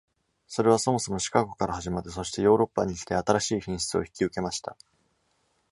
それはそもそもシカゴから始まって、そしてヨーロッパに来て、新しい品質を引き受けました。